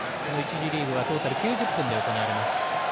１次リーグはトータル９０分で行われます。